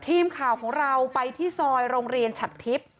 ทีมข่าวของเราไปที่ซอยโรงเรียนฉัดทิพย์